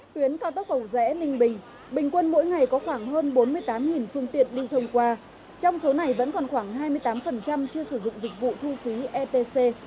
tuyến cao tốc cầu rẽ ninh bình bình quân mỗi ngày có khoảng hơn bốn mươi tám phương tiện đi thông qua trong số này vẫn còn khoảng hai mươi tám chưa sử dụng dịch vụ thu phí etc